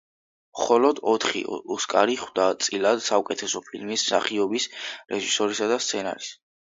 მხოლოდ ოთხი ოსკარი ხვდა წილად – საუკეთესო ფილმის, მსახიობის, რეჟისორისა და სცენარის.